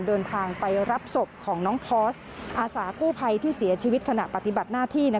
เดินทางไปรับศพของน้องพอร์สอาสากู้ภัยที่เสียชีวิตขณะปฏิบัติหน้าที่